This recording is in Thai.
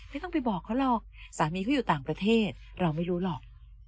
ไม่ต้องไปบอกเขาหรอกสามีเขาอยู่ต่างประเทศเราไม่รู้หรอก